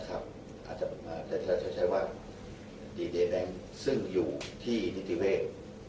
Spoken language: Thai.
อาจจะใช้ว่าดีเดแบงค์ซึ่งอยู่ที่นิติเวศ